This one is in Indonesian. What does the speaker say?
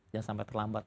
jangan sampai terlambat